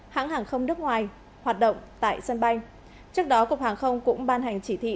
hãng hàng không nước ngoài hoạt động tại sân bay trước đó cục hàng không cũng ban hành chỉ thị